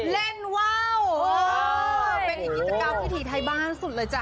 เล่นว่าวเป็นอีกกิจกรรมวิถีไทยบ้านสุดเลยจ้ะ